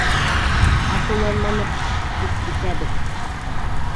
Асыуланманыҡ, тик китәбеҙ...